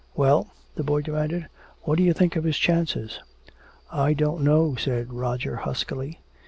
"Well?" the boy demanded, "What do you think of his chances?" "I don't know," said Roger huskily.